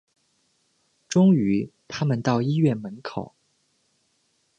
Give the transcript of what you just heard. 终于他们到了医院门口